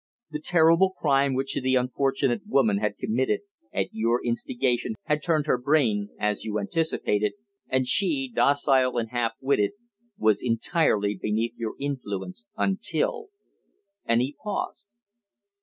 The terrible crime which the unfortunate woman had committed at your instigation had turned her brain, as you anticipated, and she, docile and half witted, was entirely beneath your influence until " and he paused.